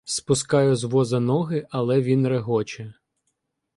Спускаю з воза ноги, але він регоче.